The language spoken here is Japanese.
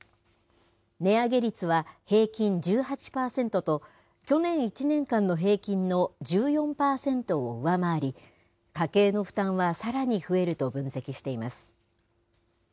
値上げ率は平均１８％と、去年１年間の平均の１４％を上回り、家計の負担はさらに増えると分析しています。